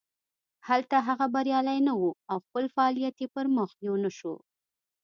هلته هغه بریالی نه و او خپل فعالیت یې پرمخ یو نه شو.